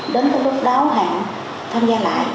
đến cái lúc đáo hàng tham gia lại